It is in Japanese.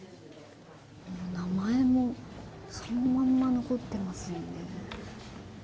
名前もそのまんま残ってますよね。